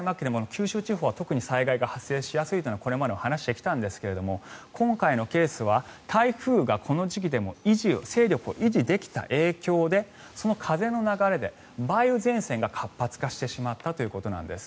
九州地方は特に災害が発生しやすいというのはこれまでも話してきたんですが今回のケースは台風が、この時期でも勢力を維持できた影響でその風の流れで梅雨前線が活発化してしまったということです。